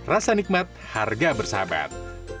rasa nikmat harga bersahabat